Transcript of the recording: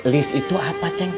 list itu apa ceng